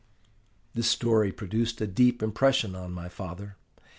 "This story produced a deep impression on my father.